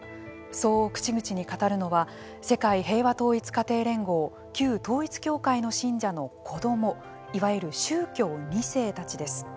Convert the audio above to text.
そう口々に語るのは世界平和統一家庭連合旧統一教会の信者の子どもいわゆる宗教２世たちです。